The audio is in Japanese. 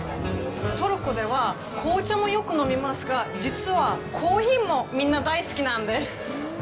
トルコでは紅茶もよく飲みますが、実は、コーヒーもみんな大好きなんです。